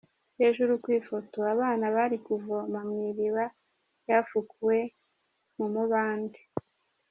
Hejuru ku ifoto: Abana bari kuvoma mu iriba ryafukuwe mu mubande.